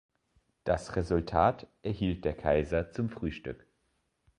Das Resultat erhielt der Kaiser zum Frühstück.